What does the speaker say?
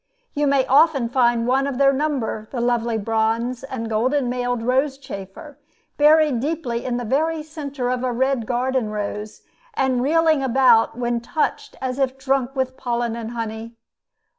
You may often find one of their number, the lovely bronze and golden mailed rose chafer, buried deeply in the very centre of a red garden rose, and reeling about when touched as if drunk with pollen and honey.